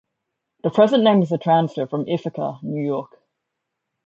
The present name is a transfer from Ithaca, New York.